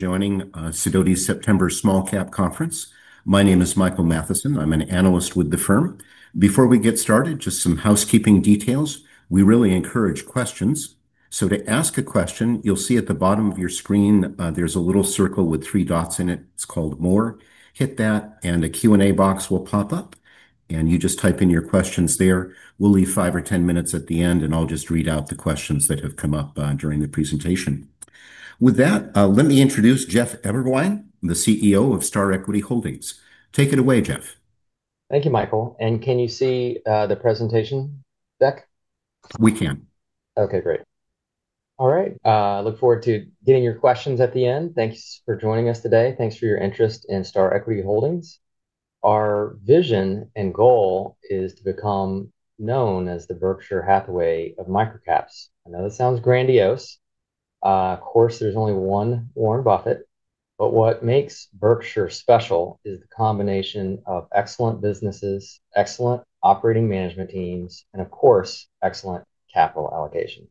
Joining SEDOTY's September Small Cap Conference. My name is Michael Jay Mathison. I'm an analyst with the firm. Before we get started, just some housekeeping details. We really encourage questions. To ask a question, you'll see at the bottom of your screen, there's a little circle with three dots in it. It's called More. Hit that, and a Q&A box will pop up, and you just type in your questions there. We'll leave five or ten minutes at the end, and I'll just read out the questions that have come up during the presentation. With that, let me introduce Jeff Eberwein, the CEO of Hudson Global. Take it away, Jeff. Thank you, Michael. Can you see the presentation deck? We can. Okay, great. All right. I look forward to getting your questions at the end. Thanks for joining us today. Thanks for your interest in Star Equity Holdings. Our vision and goal is to become known as the Berkshire Hathaway of microcaps. I know that sounds grandiose. Of course, there's only one Warren Buffett, but what makes Berkshire special is the combination of excellent businesses, excellent operating management teams, and of course, excellent capital allocation.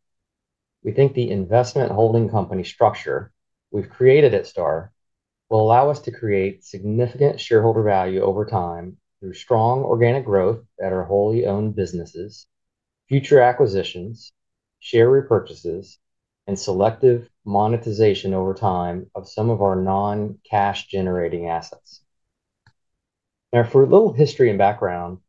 We think the investment holding company structure we've created at Star will allow us to create significant shareholder value over time through strong organic growth at our wholly owned businesses, future acquisitions, share repurchases, and selective monetization over time of some of our non-cash generating assets. Now, for a little history and background,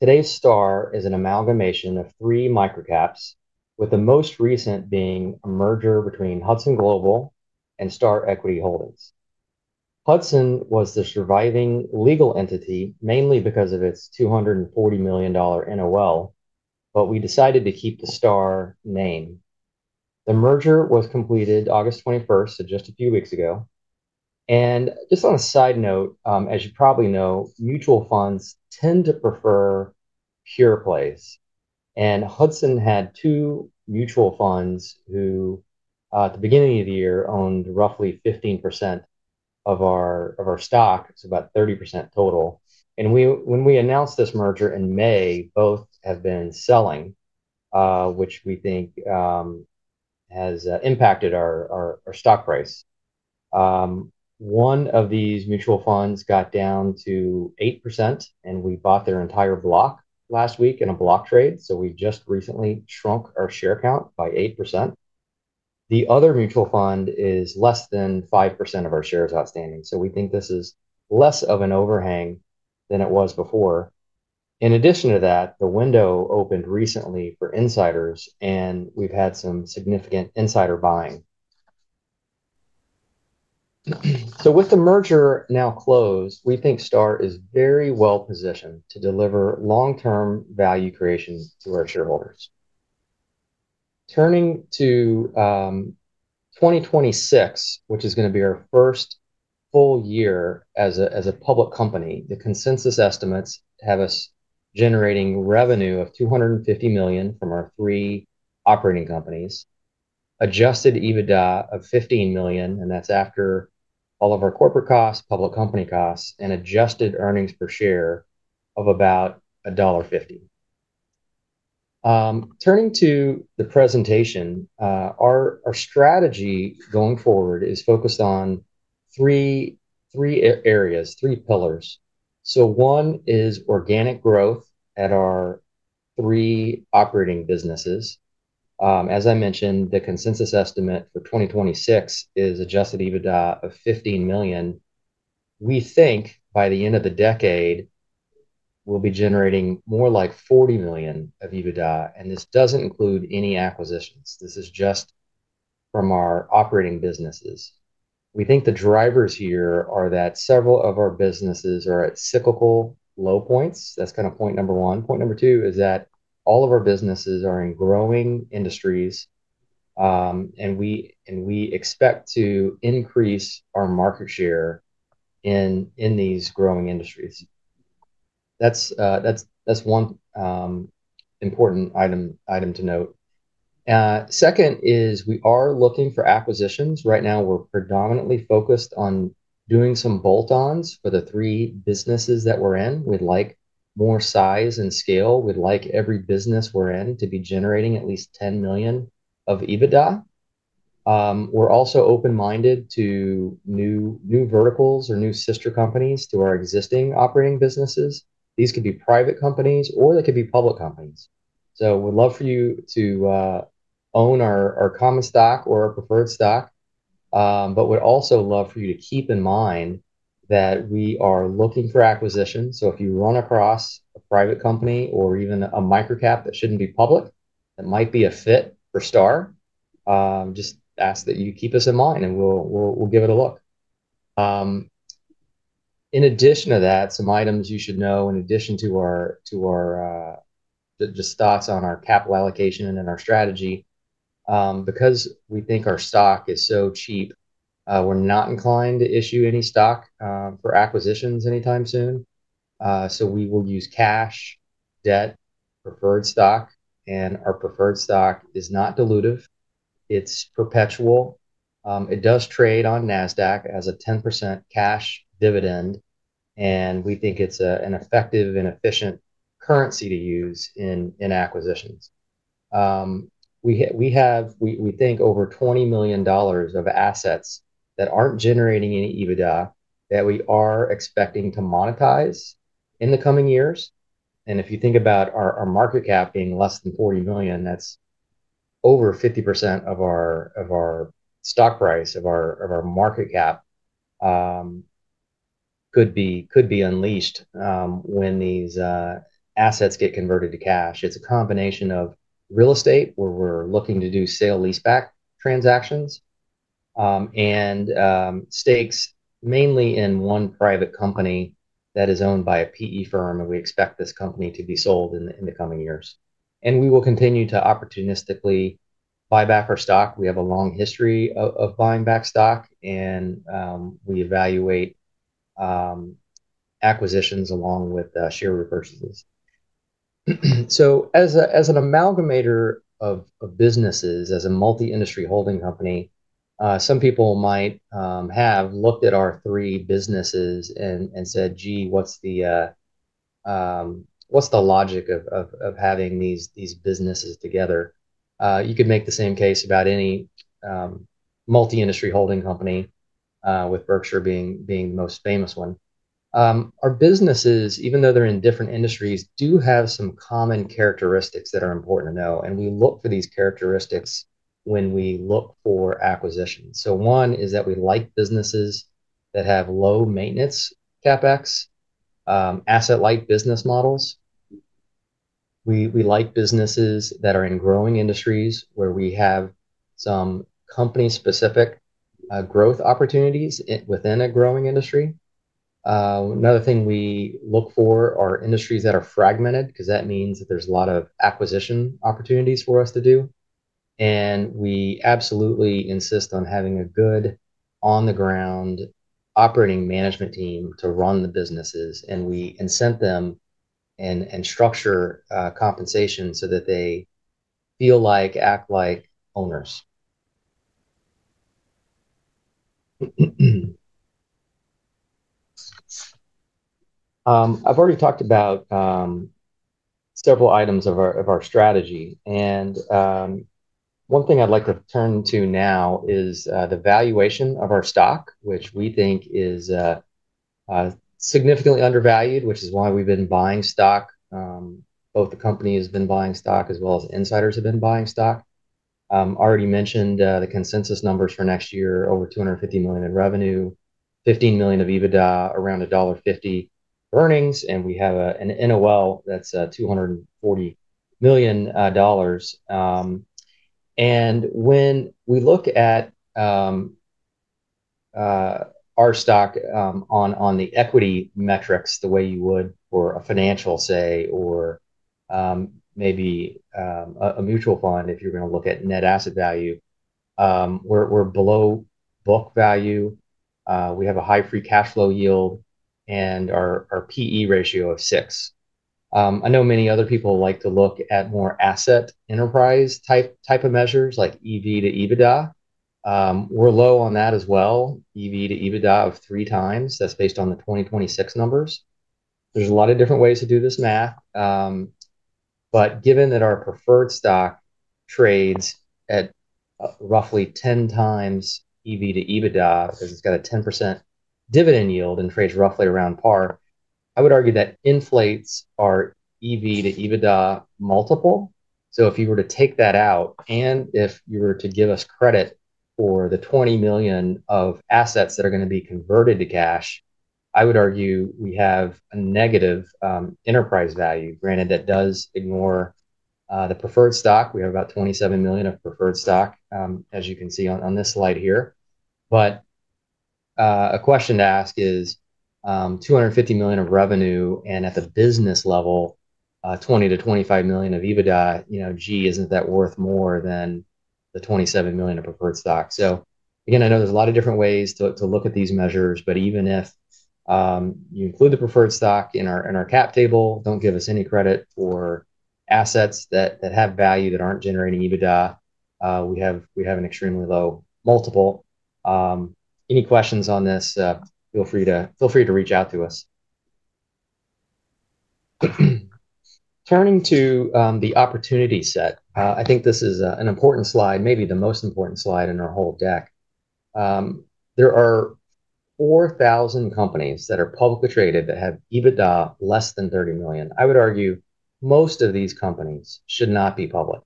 today's Star is an amalgamation of three microcaps, with the most recent being a merger between Hudson Global and Star Equity Holdings. Hudson was the surviving legal entity, mainly because of its $240 million NOL, but we decided to keep the Star name. The merger was completed August 21, so just a few weeks ago. As you probably know, mutual funds tend to prefer pure plays. Hudson had two mutual funds who, at the beginning of the year, owned roughly 15% of our stock. It's about 30% total. When we announced this merger in May, both have been selling, which we think has impacted our stock price. One of these mutual funds got down to 8%, and we bought their entire block last week in a block trade. We've just recently shrunk our share count by 8%. The other mutual fund is less than 5% of our shares outstanding. We think this is less of an overhang than it was before. In addition to that, the window opened recently for insiders, and we've had some significant insider buying. With the merger now closed, we think Star is very well positioned to deliver long-term value creation to our shareholders. Turning to 2026, which is going to be our first full year as a public company, the consensus estimates have us generating revenue of $250 million from our three operating companies, adjusted EBITDA of $15 million, and that's after all of our corporate costs, public company costs, and adjusted earnings per share of about $1.50. Turning to the presentation, our strategy going forward is focused on three areas, three pillars. One is organic growth at our three operating businesses. As I mentioned, the consensus estimate for 2026 is adjusted EBITDA of $15 million. We think by the end of the decade, we'll be generating more like $40 million of EBITDA, and this doesn't include any acquisitions. This is just from our operating businesses. We think the drivers here are that several of our businesses are at cyclical low points. That's kind of point number one. Point number two is that all of our businesses are in growing industries, and we expect to increase our market share in these growing industries. That's one important item to note. Second is we are looking for acquisitions. Right now, we're predominantly focused on doing some bolt-ons for the three businesses that we're in. We'd like more size and scale. We'd like every business we're in to be generating at least $10 million of EBITDA. We're also open-minded to new verticals or new sister companies to our existing operating businesses. These could be private companies, or they could be public companies. We'd love for you to own our common stock or our preferred stock, but we'd also love for you to keep in mind that we are looking for acquisitions. If you run across a private company or even a microcap that shouldn't be public, that might be a fit for Hudson Global, just ask that you keep us in mind, and we'll give it a look. In addition to that, some items you should know, in addition to our stocks on our capital allocation and our strategy, because we think our stock is so cheap, we're not inclined to issue any stock for acquisitions anytime soon. We will use cash, debt, preferred stock, and our preferred stock is not dilutive. It's perpetual. It does trade on NASDAQ as a 10% cash dividend, and we think it's an effective and efficient currency to use in acquisitions. We have, we think, over $20 million of assets that aren't generating any EBITDA that we are expecting to monetize in the coming years. If you think about our market cap being less than $40 million, that's over 50% of our stock price of our market cap could be unleashed when these assets get converted to cash. It's a combination of real estate, where we're looking to do sale leaseback transactions, and stakes mainly in one private company that is owned by a PE firm, and we expect this company to be sold in the coming years. We will continue to opportunistically buy back our stock. We have a long history of buying back stock, and we evaluate acquisitions along with share repurchases. As an amalgamator of businesses, as a multi-industry holding company, some people might have looked at our three businesses and said, "Gee, what's the logic of having these businesses together?" You could make the same case about any multi-industry holding company, with Berkshire Hathaway being the most famous one. Our businesses, even though they're in different industries, do have some common characteristics that are important to know, and we look for these characteristics when we look for acquisitions. One is that we like businesses that have low maintenance CapEx, asset-light business models. We like businesses that are in growing industries, where we have some company-specific growth opportunities within a growing industry. Another thing we look for are industries that are fragmented, because that means that there's a lot of acquisition opportunities for us to do. We absolutely insist on having a good on-the-ground operating management team to run the businesses, and we incent them and structure compensation so that they feel like, act like owners. I've already talked about several items of our strategy, and one thing I'd like to turn to now is the valuation of our stock, which we think is significantly undervalued, which is why we've been buying stock. Both the company has been buying stock, as well as insiders have been buying stock. I already mentioned the consensus numbers for next year, over $250 million in revenue, $15 million of EBITDA, around $1.50 for earnings, and we have an NOL that's $240 million. When we look at our stock on the equity metrics, the way you would for a financial, say, or maybe a mutual fund, if you're going to look at net asset value, we're below book value. We have a high free cash flow yield and our PE ratio of six. I know many other people like to look at more asset enterprise type of measures, like EV/EBITDA. We're low on that as well, EV/EBITDA of three times. That's based on the 2026 numbers. There are a lot of different ways to do this math. Given that our preferred stock trades at roughly 10 times EV/EBITDA, because it's got a 10% dividend yield and trades roughly around par, I would argue that inflates our EV/EBITDA multiple. If you were to take that out, and if you were to give us credit for the $20 million of assets that are going to be converted to cash, I would argue we have a negative enterprise value, granted that does ignore the preferred stock. We have about $27 million of preferred stock, as you can see on this slide here. A question to ask is $250 million of revenue, and at the business level, $20 to $25 million of EBITDA, you know, gee, isn't that worth more than the $27 million of preferred stock? I know there's a lot of different ways to look at these measures, but even if you include the preferred stock in our cap table, don't give us any credit for assets that have value that aren't generating EBITDA. We have an extremely low multiple. Any questions on this, feel free to reach out to us. Turning to the opportunity set, I think this is an important slide, maybe the most important slide in our whole deck. There are 4,000 companies that are publicly traded that have EBITDA less than $30 million. I would argue most of these companies should not be public.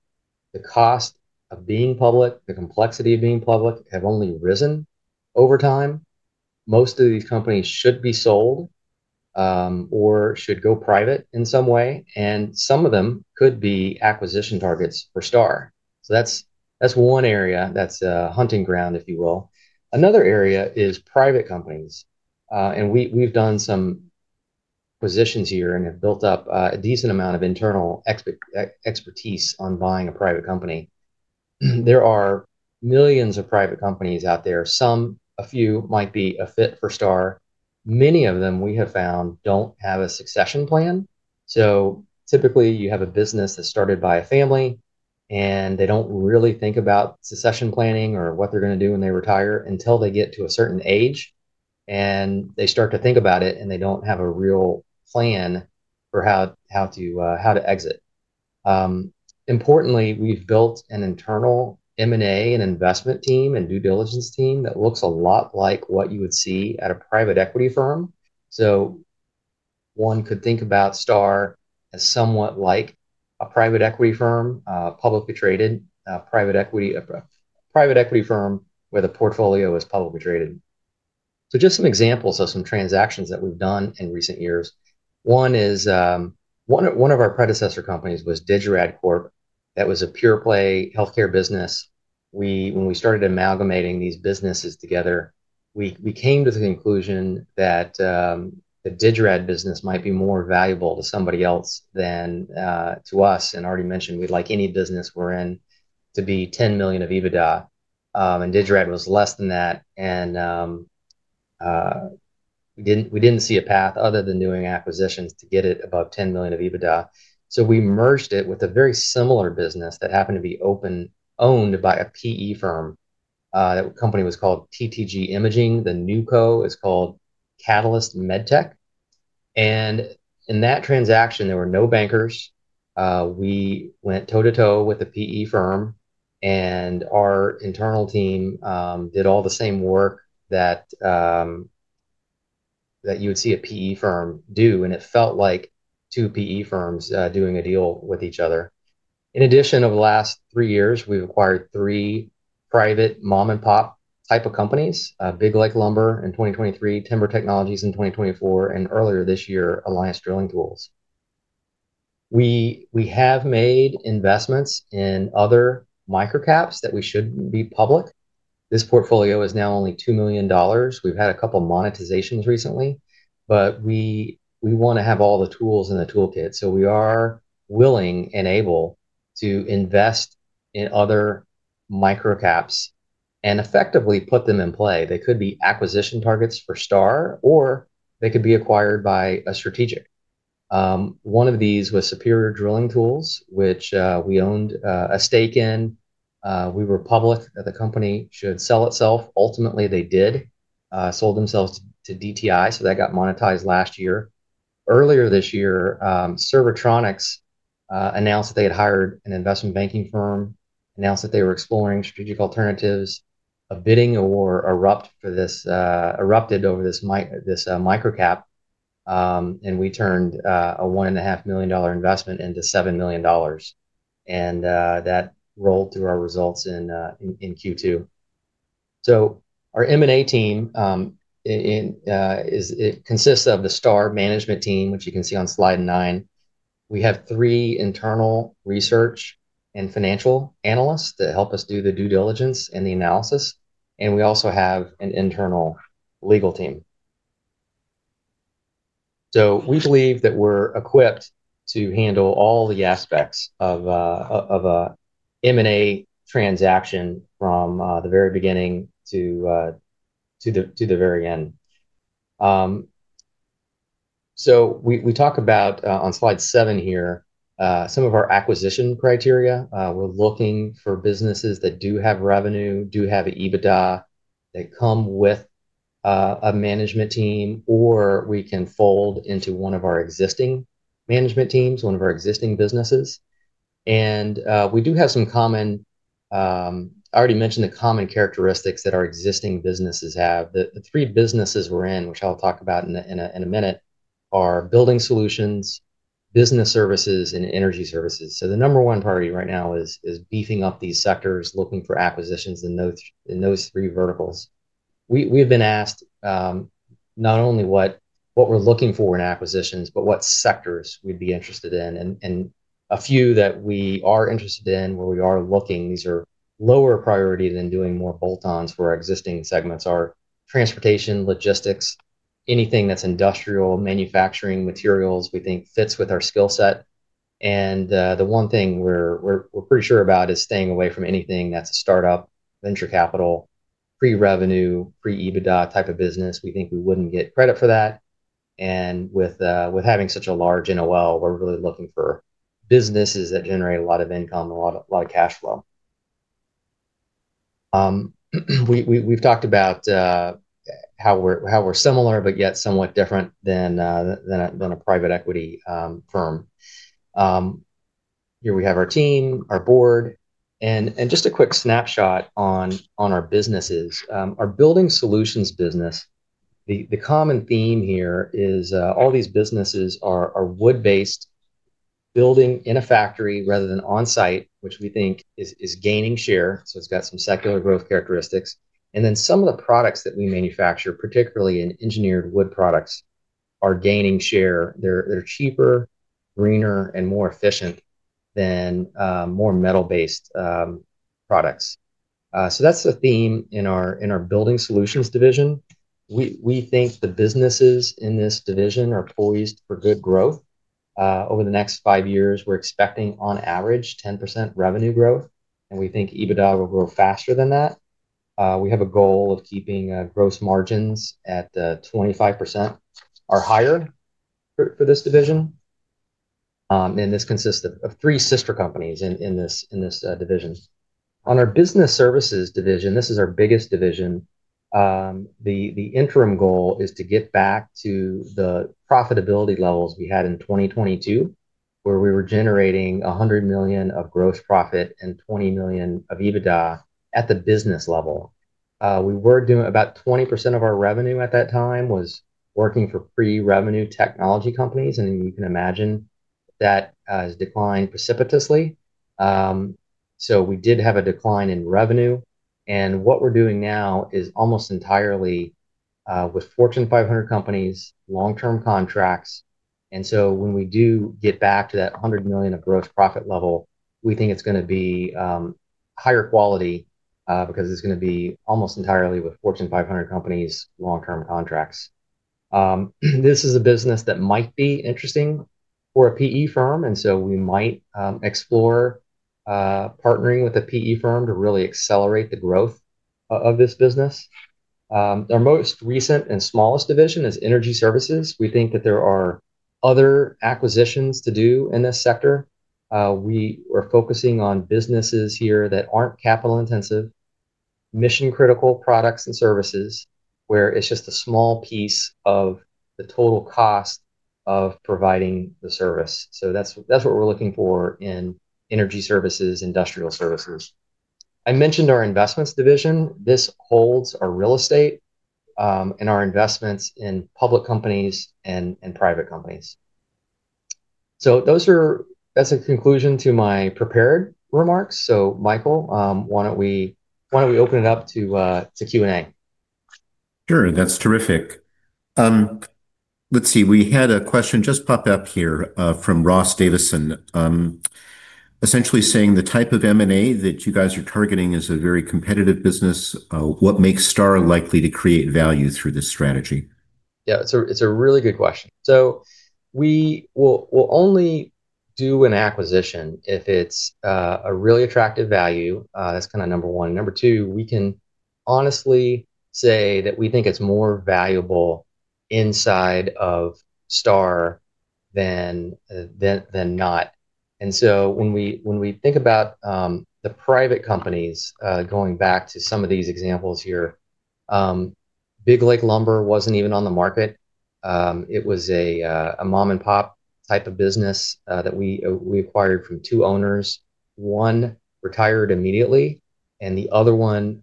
The cost of being public, the complexity of being public, have only risen over time. Most of these companies should be sold or should go private in some way, and some of them could be acquisition targets for Hudson Global. That's one area that's a hunting ground, if you will. Another area is private companies. We've done some positions here and have built up a decent amount of internal expertise on buying a private company. There are millions of private companies out there. Some, a few, might be a fit for Hudson Global. Many of them, we have found, don't have a succession plan. Typically, you have a business that's started by a family, and they don't really think about succession planning or what they're going to do when they retire until they get to a certain age, and they start to think about it, and they don't have a real plan for how to exit. Importantly, we've built an internal M&A and investment team and due diligence team that looks a lot like what you would see at a private equity firm. One could think about Hudson Global as somewhat like a private equity firm, a publicly traded private equity firm where the portfolio is publicly traded. Just some examples of some transactions that we've done in recent years. One is one of our predecessor companies was Digerad Corp. That was a pure play healthcare business. When we started amalgamating these businesses together, we came to the conclusion that the Digerad business might be more valuable to somebody else than to us. I already mentioned we'd like any business we're in to be $10 million of EBITDA, and Digerad was less than that. We did not see a path other than doing acquisitions to get it above $10 million of EBITDA. We merged it with a very similar business that happened to be owned by a PE firm. That company was called TTG Imaging. The new co is called Catalyst MedTech. In that transaction, there were no bankers. We went toe to toe with the PE firm, and our internal team did all the same work that you would see a PE firm do, and it felt like two PE firms doing a deal with each other. In addition, over the last three years, we have acquired three private mom-and-pop type of companies: Big Like Lumber in 2023, Timber Technologies in 2024, and earlier this year, Alliance Drilling Tools. We have made investments in other microcaps that should not be public. This portfolio is now only $2 million. We have had a couple of monetizations recently, but we want to have all the tools in the toolkit. We are willing and able to invest in other microcaps and effectively put them in play. They could be acquisition targets for Hudson Global, or they could be acquired by a strategic. One of these was Superior Drilling Tools, which we owned a stake in. We were public that the company should sell itself. Ultimately, they did. They sold themselves to DTI, so that got monetized last year. Earlier this year, Servitronics announced that they had hired an investment banking firm and announced that they were exploring strategic alternatives. A bidding war erupted over this microcap, and we turned a $1.5 million investment into $7 million, and that rolled through our results in Q2. Our M&A team consists of the Hudson Global management team, which you can see on slide nine. We have three internal research and financial analysts that help us do the due diligence and the analysis, and we also have an internal legal team. We believe that we are equipped to handle all the aspects of an M&A transaction from the very beginning to the very end. On slide seven here, we talk about some of our acquisition criteria. We are looking for businesses that do have revenue, do have EBITDA, that come with a management team, or we can fold into one of our existing management teams, one of our existing businesses. We do have some common, I already mentioned the common characteristics that our existing businesses have. The three businesses we are in, which I will talk about in a minute, are building solutions, business services, and energy services. The number one priority right now is beefing up these sectors, looking for acquisitions in those three verticals. We've been asked not only what we're looking for in acquisitions, but what sectors we'd be interested in. A few that we are interested in, where we are looking, these are lower priority than doing more bolt-ons for our existing segments, are transportation, logistics, anything that's industrial, manufacturing, materials we think fits with our skill set. The one thing we're pretty sure about is staying away from anything that's a startup, venture capital, pre-revenue, pre-EBITDA type of business. We think we wouldn't get credit for that. With having such a large net operating loss (NOL), we're really looking for businesses that generate a lot of income, a lot of cash flow. We've talked about how we're similar, but yet somewhat different than a private equity firm. Here we have our team, our board, and just a quick snapshot on our businesses. Our building solutions business, the common theme here is all these businesses are wood-based, building in a factory rather than on-site, which we think is gaining share. It's got some secular growth characteristics. Some of the products that we manufacture, particularly in engineered wood products, are gaining share. They're cheaper, greener, and more efficient than more metal-based products. That's the theme in our building solutions division. We think the businesses in this division are poised for good growth. Over the next five years, we're expecting on average 10% revenue growth, and we think EBITDA will grow faster than that. We have a goal of keeping gross margins at 25% or higher for this division. This consists of three sister companies in this division. Our business services division is our biggest division. The interim goal is to get back to the profitability levels we had in 2022, where we were generating $100 million of gross profit and $20 million of EBITDA at the business level. We were doing about 20% of our revenue at that time working for pre-revenue technology companies, and you can imagine that has declined precipitously. We did have a decline in revenue. What we're doing now is almost entirely with Fortune 500 companies, long-term contracts. When we do get back to that $100 million of gross profit level, we think it's going to be higher quality because it's going to be almost entirely with Fortune 500 companies, long-term contracts. This is a business that might be interesting for a PE firm, and we might explore partnering with a PE firm to really accelerate the growth of this business. Our most recent and smallest division is energy services. We think that there are other acquisitions to do in this sector. We are focusing on businesses here that aren't capital intensive, mission-critical products and services, where it's just a small piece of the total cost of providing the service. That's what we're looking for in energy services, industrial services. I mentioned our investments division. This holds our real estate and our investments in public companies and private companies. Those are as a conclusion to my prepared remarks. Michael, why don't we open it up to Q&A? Sure, that's terrific. Let's see, we had a question just pop up here from Ross Davison, essentially saying the type of M&A that you guys are targeting is a very competitive business. What makes Hudson Global likely to create value through this strategy? Yeah, it's a really good question. We will only do an acquisition if it's a really attractive value. That's kind of number one. Number two, we can honestly say that we think it's more valuable inside of Hudson Global than not. When we think about the private companies, going back to some of these examples here, Big Lake Lumber wasn't even on the market. It was a mom-and-pop type of business that we acquired from two owners. One retired immediately, and the other one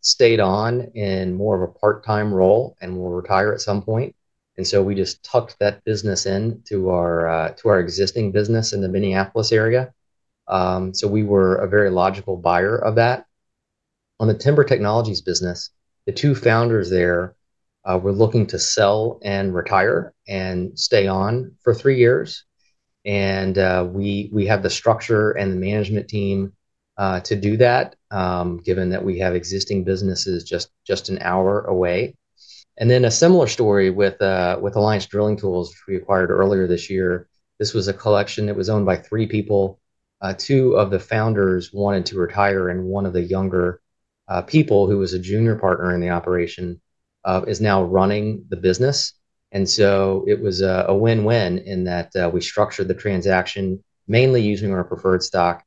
stayed on in more of a part-time role and will retire at some point. We just tucked that business into our existing business in the Minneapolis area. We were a very logical buyer of that. On the Timber Technologies business, the two founders there were looking to sell and retire and stay on for three years. We have the structure and the management team to do that, given that we have existing businesses just an hour away. A similar story with Alliance Drilling Tools we acquired earlier this year. This was a collection that was owned by three people. Two of the founders wanted to retire, and one of the younger people who was a junior partner in the operation is now running the business. It was a win-win in that we structured the transaction mainly using our preferred stock,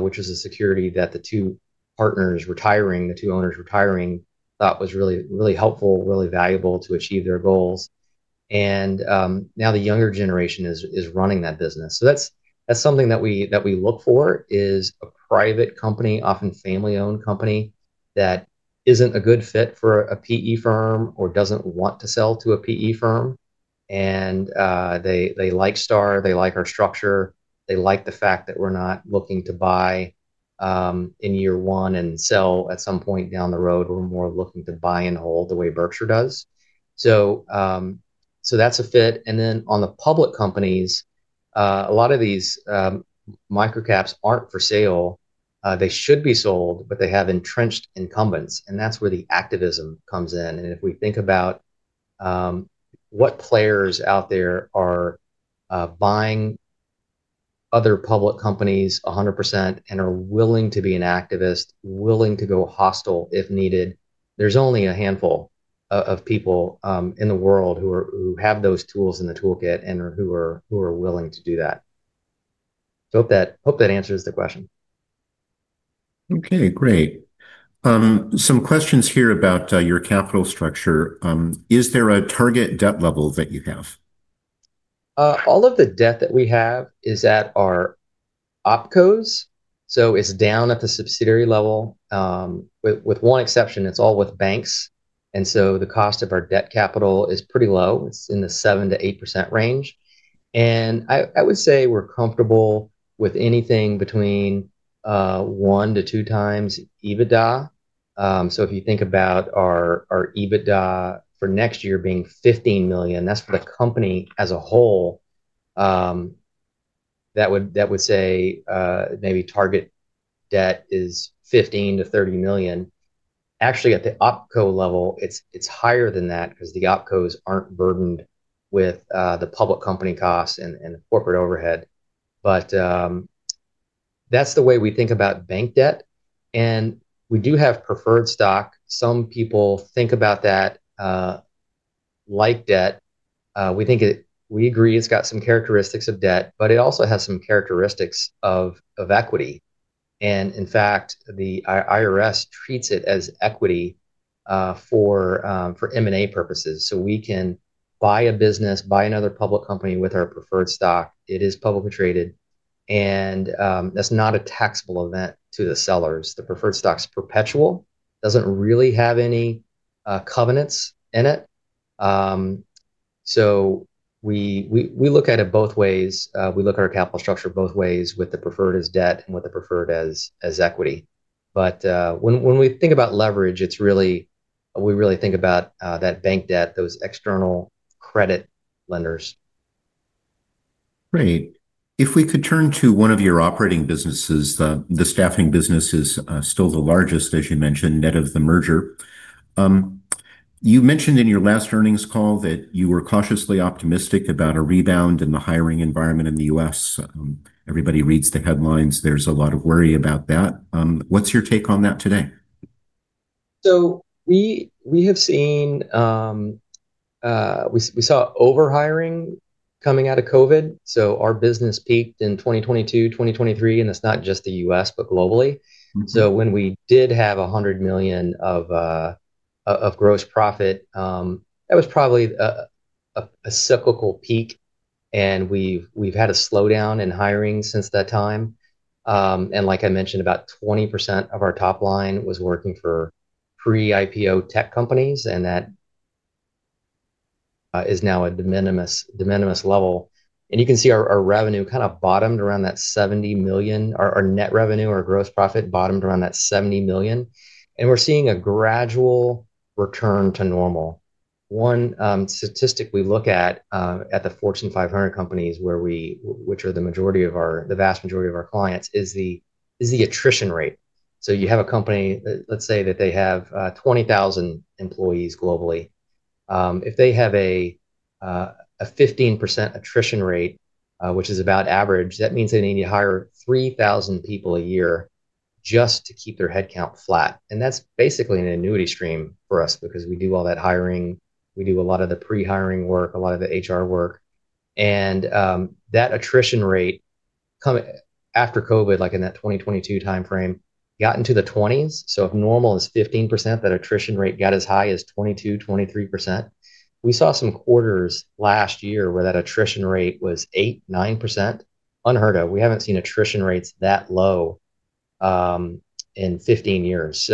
which was a security that the two partners retiring, the two owners retiring, thought was really, really helpful, really valuable to achieve their goals. Now the younger generation is running that business. That's something that we look for, a private company, often family-owned company, that isn't a good fit for a PE firm or doesn't want to sell to a PE firm. They like Hudson Global, they like our structure, they like the fact that we're not looking to buy in year one and sell at some point down the road. We're more looking to buy and hold the way Berkshire Hathaway does. That's a fit. On the public companies, a lot of these microcaps aren't for sale. They should be sold, but they have entrenched incumbents, and that's where the activism comes in. If we think about what players out there are buying other public companies 100% and are willing to be an activist, willing to go hostile if needed, there's only a handful of people in the world who have those tools in the toolkit and who are willing to do that. Hope that answers the question. Okay, great. Some questions here about your capital structure. Is there a target debt level that you have? All of the debt that we have is at our opcos. It's down at the subsidiary level, with one exception. It's all with banks, and the cost of our debt capital is pretty low. It's in the 7% to 8% range. I would say we're comfortable with anything between one to two times EBITDA. If you think about our EBITDA for next year being $15 million, that's for the company as a whole. That would say maybe target debt is $15 million to $30 million. Actually, at the opco level, it's higher than that because the opcos aren't burdened with the public company costs and the corporate overhead. That's the way we think about bank debt. We do have preferred stock. Some people think about that like debt. We agree it's got some characteristics of debt, but it also has some characteristics of equity. In fact, the IRS treats it as equity for M&A purposes. We can buy a business, buy another public company with our preferred stock. It is publicly traded, and that's not a taxable event to the sellers. The preferred stock's perpetual, doesn't really have any covenants in it. We look at it both ways. We look at our capital structure both ways, with the preferred as debt and with the preferred as equity. When we think about leverage, we really think about that bank debt, those external credit lenders. Great. If we could turn to one of your operating businesses, the staffing business is still the largest, as you mentioned, net of the merger. You mentioned in your last earnings call that you were cautiously optimistic about a rebound in the hiring environment in the U.S. Everybody reads the headlines. There's a lot of worry about that. What's your take on that today? We have seen overhiring coming out of COVID. Our business peaked in 2022, 2023, and that's not just the U.S., but globally. When we did have $100 million of gross profit, that was probably a cyclical peak, and we've had a slowdown in hiring since that time. Like I mentioned, about 20% of our top line was working for pre-IPO tech companies, and that is now at a de minimis level. You can see our revenue kind of bottomed around that $70 million. Our net revenue, our gross profit, bottomed around that $70 million. We're seeing a gradual return to normal. One statistic we look at at the Fortune 500 companies, which are the vast majority of our clients, is the attrition rate. You have a company, let's say that they have 20,000 employees globally. If they have a 15% attrition rate, which is about average, that means they need to hire 3,000 people a year just to keep their headcount flat. That's basically an annuity stream for us because we do all that hiring. We do a lot of the pre-hiring work, a lot of the HR work. That attrition rate after COVID, like in that 2022 timeframe, got into the 20s. If normal is 15%, that attrition rate got as high as 22%, 23%. We saw some quarters last year where that attrition rate was 8%, 9%. Unheard of. We haven't seen attrition rates that low in 15 years.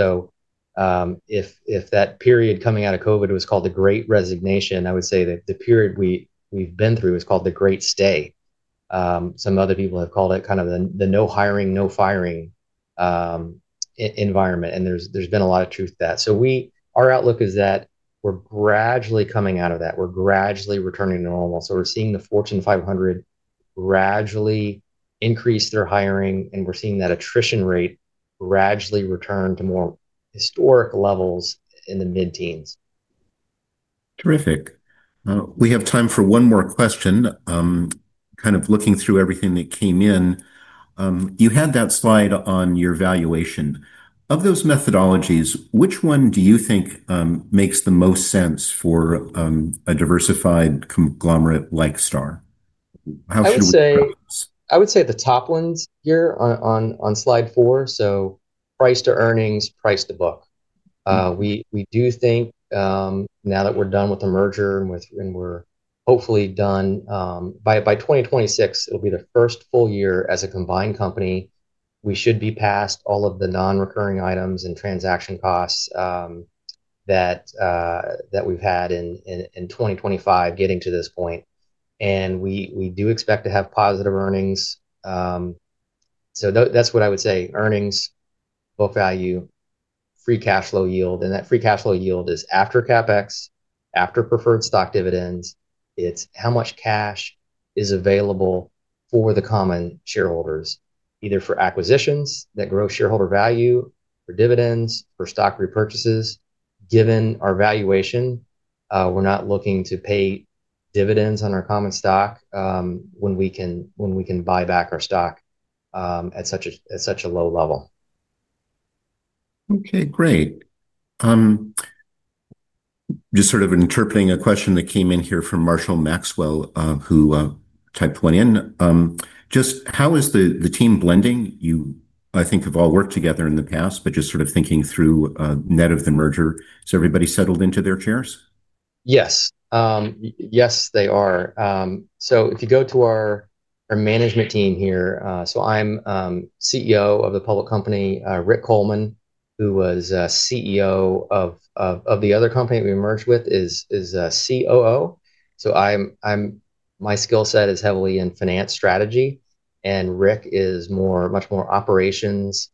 If that period coming out of COVID was called the great resignation, I would say that the period we've been through is called the great stay. Some other people have called it kind of the no hiring, no firing environment. There's been a lot of truth to that. Our outlook is that we're gradually coming out of that. We're gradually returning to normal. We're seeing the Fortune 500 gradually increase their hiring, and we're seeing that attrition rate gradually return to more historic levels in the mid-teens. Terrific. We have time for one more question. Kind of looking through everything that came in, you had that slide on your valuation. Of those methodologies, which one do you think makes the most sense for a diversified conglomerate like Hudson Global? I would say the top ones here on slide four. Price to earnings, price to book. We do think now that we're done with the merger and we're hopefully done by 2026, it'll be the first full year as a combined company. We should be past all of the non-recurring items and transaction costs that we've had in 2025 getting to this point. We do expect to have positive earnings. That's what I would say: earnings, book value, free cash flow yield. That free cash flow yield is after CapEx, after preferred stock dividends. It's how much cash is available for the common shareholders, either for acquisitions that grow shareholder value, for dividends, for stock repurchases. Given our valuation, we're not looking to pay dividends on our common stock when we can buy back our stock at such a low level. Okay, great. Just interpreting a question that came in here from Marshall Maxwell, who typed one in. Just how is the team blending? You, I think, have all worked together in the past, just thinking through net of the merger. Is everybody settled into their chairs? Yes, yes, they are. If you go to our management team here, I'm CEO of the public company. Brian Coleman, who was CEO of the other company that we merged with, is COO. My skill set is heavily in finance strategy, and Brian is much more operations,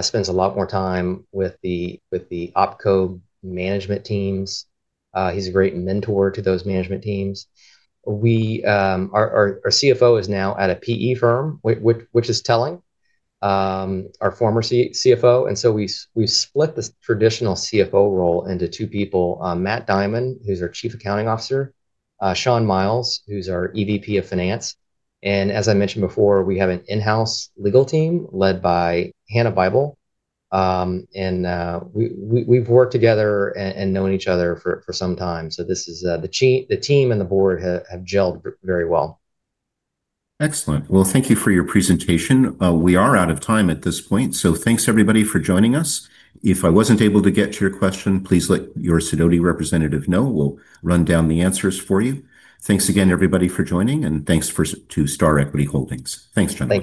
spends a lot more time with the opco management teams. He's a great mentor to those management teams. Our CFO is now at a PE firm, which is telling, our former CFO. We've split the traditional CFO role into two people: Matt Diamond, who's our Chief Accounting Officer, and Sean Miles, who's our EVP of Finance. As I mentioned before, we have an in-house legal team led by Hannah Bible, and we've worked together and known each other for some time. The team and the board have gelled very well. Excellent. Thank you for your presentation. We are out of time at this point. Thank you, everybody, for joining us. If I wasn't able to get to your question, please let your SEDOTY representative know. We'll run down the answers for you. Thank you again, everybody, for joining, and thanks to Hudson Global. Thanks, John.